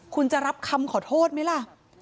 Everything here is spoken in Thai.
คุณจะรับคำขอโทษไหมล่ะ